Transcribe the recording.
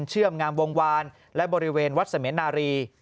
เชื่อมงามวงวานและบริเวณวัดเสมียนารี